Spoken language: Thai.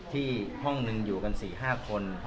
ที่ห้องหนึ่งอยู่กันสี่ห้าคน